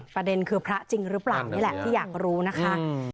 ประเด็นคือพระจริงหรือเปล่านี่แหละที่อยากรู้นะคะ